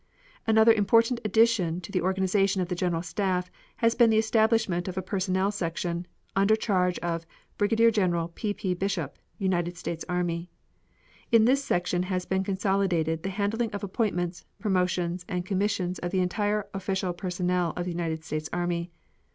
Another important addition to the organization of the General Staff has been the establishment of a Personnel Section, under charge of Brigadier General P. P. Bishop, United States army. In this section has been consolidated the handling of appointments, promotions, and commissions of the entire official personnel of the United States army.